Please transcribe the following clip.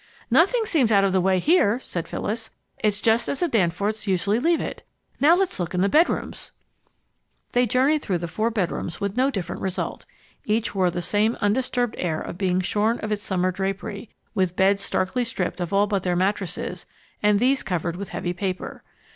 "Nothing seems out of the way here," said Phyllis. "It's just as the Danforths usually leave it. Now let's look into the bedrooms." They journeyed through the four bedrooms with no different result. Each wore the same undisturbed air of being shorn of its summer drapery, with beds starkly stripped of all but their mattresses, and these covered with heavy paper.